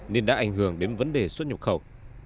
nên đã ảnh hưởng đến vấn đề xuất nhập khẩu